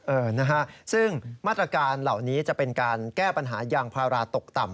เออนะฮะซึ่งมาตรการเหล่านี้จะเป็นการแก้ปัญหายางพาราตกต่ำ